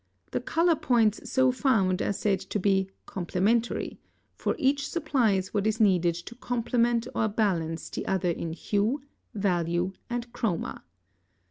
The color points so found are said to be "complementary," for each supplies what is needed to complement or balance the other in hue, value, and chroma.